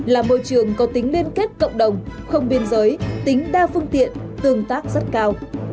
là môi trường có tính liên kết cộng đồng không biên giới tính đa phương tiện tương tác rất cao